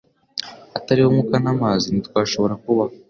Hatariho umwuka n'amazi, ntitwashobora kubaho.